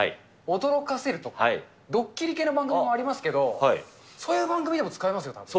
驚かせるとか、ドッキリ系の番組もありますけど、そういう番組でも使えますよ、たぶん。